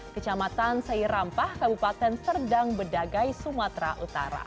kecamatan seirampah kabupaten serdang bedagai sumatera utara